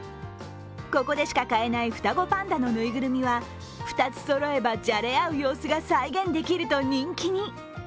ここでしか買えない双子パンダのぬいぐるみは２つそろえば、じゃれ合う様子が再現できると人気に。